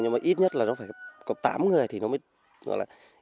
nhưng mà ít nhất là nó phải có tám người thì nó mới